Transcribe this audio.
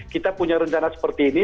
kita punya rencana seperti ini